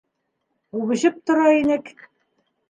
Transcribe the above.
Үбешеп тора инек.